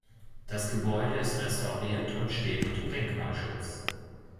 Das Gebäude ist restauriert und steht unter Denkmalschutz.